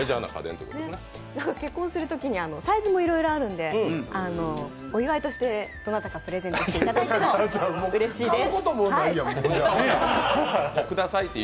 結婚するときに、サイズもいろいろあるので、お祝いとしてどなたかプレゼントしていただいてもうれしいです。